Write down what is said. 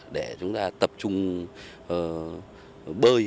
để chúng ta tập trung bơi